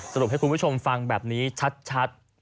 สรุปให้คุณผู้ชมฟังแบบนี้ชัด